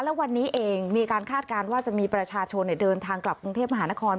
และวันนี้เองมีการคาดการณ์ว่าจะมีประชาชนเดินทางกลับกรุงเทพมหานคร